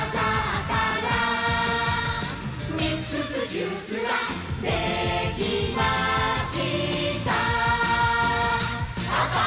「ミックスジュースができました」